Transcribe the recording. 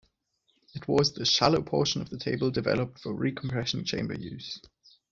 It was the shallow portion of the table developed for recompression chamber use.